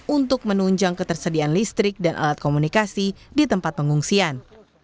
untuk menunjang ketersediaan listrik dan alat komunikasi di tempat pengungsian